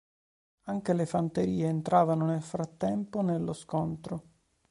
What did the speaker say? Anche le fanterie entravano nel frattempo nello scontro.